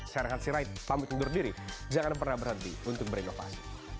saya rakan sirai pamit undur diri jangan pernah berhenti untuk berimba pas